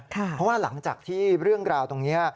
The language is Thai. เพราะว่าหลังจากที่เรื่องราวตรงนี้